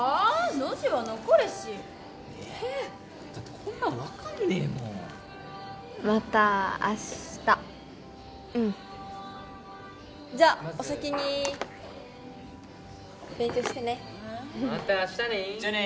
ノジは残れしえだってこんなん分かんねえもんまた明日うんじゃっお先に勉強してねまた明日ねじゃあね